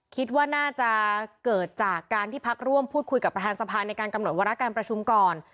คิดว่าน่าจะเกิดจากการที่พักร่วมพูดคุยกับประธานสภาในการกำหนดวาระการประชุมก่อน